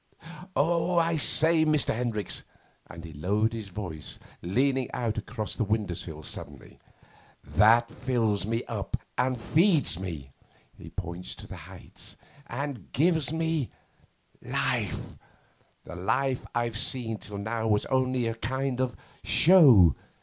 Oh, I say, Mr. Hendricks,' and he lowered his voice, leaning out across the window sill suddenly, 'that fills me up and feeds me' he pointed to the heights 'and gives me life. The life I've seen till now was only a kind of show.